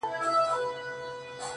• کبابیږي به زړګی د دښمنانو ,